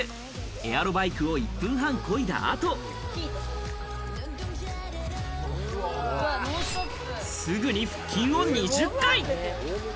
エアロバイクを１分半こいだ後、すぐに腹筋を２０回。